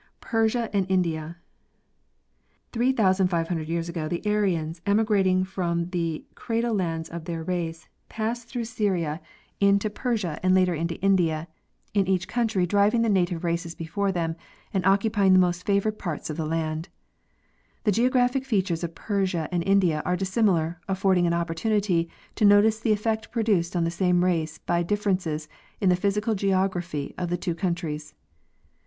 Persia and India. Three thousand five hundred years ago the Aryans, emigrating from the cradle lands of their race, passed through Syria into 2—Nart, Grog. Maa., you. VI, 1894, 10 G. G. Hubbard—Geographic Progress of Civilization. Persia and later into India, in each country driving the native races before them and occupying the most favored parts of the land. The geographic features of Persia and India are dissimilar, affording an opportunity to notice the effect produced on the same race by differences in the physical geography of the two countries.